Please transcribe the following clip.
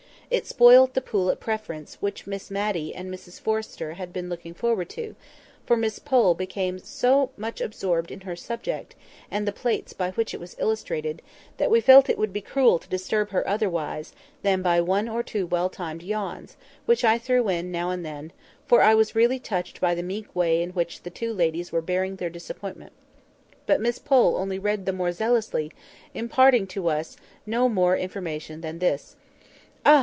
It spoilt the pool at Preference which Miss Matty and Mrs Forrester had been looking forward to, for Miss Pole became so much absorbed in her subject, and the plates by which it was illustrated, that we felt it would be cruel to disturb her otherwise than by one or two well timed yawns, which I threw in now and then, for I was really touched by the meek way in which the two ladies were bearing their disappointment. But Miss Pole only read the more zealously, imparting to us no more information than this— "Ah!